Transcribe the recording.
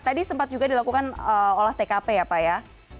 tadi sempat juga dilakukan olah tkp ya pak ya